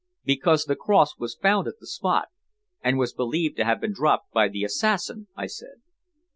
"Because the cross was found at the spot, and was believed to have been dropped by the assassin," I said.